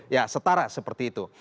ya setara seperti itu